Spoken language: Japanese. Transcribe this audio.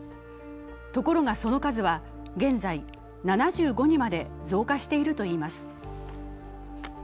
ところが、その数は現在７５にまで増加しているといいます。